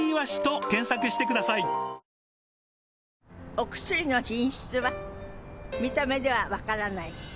お薬の品質は見た目では分からない。